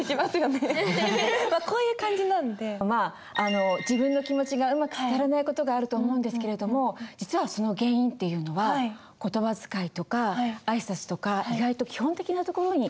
まあ自分の気持ちがうまく伝わらない事があると思うんですけれども実はその原因っていうのは言葉遣いとか挨拶とか意外と基本的なところにあったりするんですね。